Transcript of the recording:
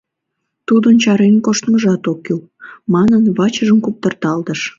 Тудын чарен коштмыжат ок кӱл, — манын, вачыжым куптырталтыш.